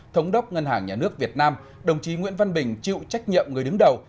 thống đốc ngân hàng nhà nước việt nam đồng chí nguyễn văn bình chịu trách nhiệm người đứng đầu